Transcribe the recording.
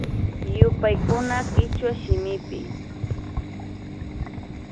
Yupaykuna kichwa shimipi